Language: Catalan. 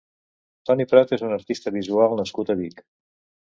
Toni Prat és un artista visual nascut a Vic.